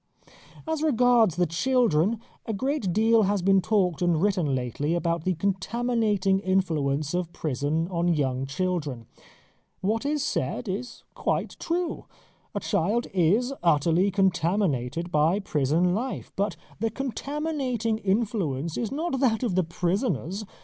As regards the children, a great deal has been talked and written lately about the contaminating influence of prison on young children. What is said is quite true. A child is utterly contaminated by prison life. But the contaminating influence is not that of the prisoners.